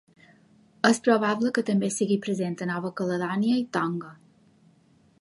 És probable que també sigui present a Nova Caledònia i Tonga.